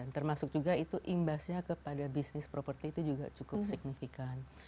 termasuk juga itu imbasnya kepada bisnis properti itu juga cukup signifikan